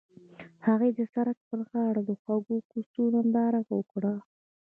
هغوی د سړک پر غاړه د خوږ کوڅه ننداره وکړه.